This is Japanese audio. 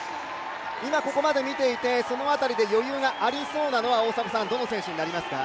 ここまで見ていて、余裕がありそうなのはどの選手になりますか？